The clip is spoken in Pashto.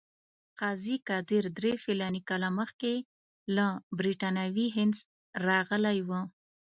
قاضي قادر درې فلاني کاله مخکې له برټانوي هند راغلی وو.